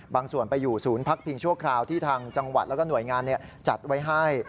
ส่วนไปอยู่ศูนย์พักพิงชั่วคราวที่ทางจังหวัดแล้วก็หน่วยงานจัดไว้ให้